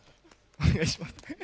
お願いします。